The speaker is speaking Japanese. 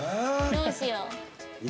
どうしよう。